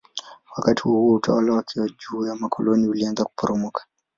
Wakati huohuo utawala wake juu ya makoloni ulianza kuporomoka.